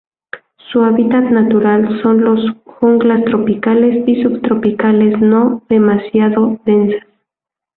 Su hábitat natural son las junglas tropicales y subtropicales no demasiado densas.